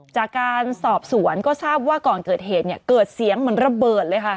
จากการสอบสวนก็ทราบว่าก่อนเกิดเหตุเนี่ยเกิดเสียงเหมือนระเบิดเลยค่ะ